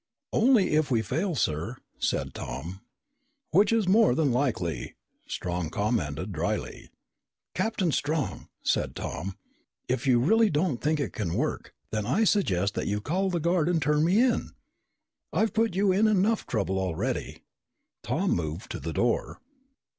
"Only if we fail, sir," said Tom. "Which is more than likely," Strong commented dryly. "Captain Strong," said Tom, "if you really don't think it can work, then I suggest that you call the guard and turn me in. I've put you in enough trouble already." Tom moved to the door.